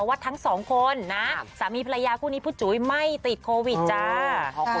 ว่าทั้งสองคนนะสามีภรรยาคู่นี้ผู้จุ๋ยไม่ติดโควิดจ้า